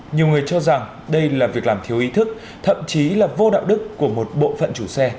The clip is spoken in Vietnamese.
nhiều người cho rằng đây là việc làm thiếu ý thức thậm chí là vô đạo đức của một bộ phận chủ xe